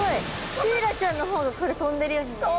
シイラちゃんの方がこれ飛んでるように見える。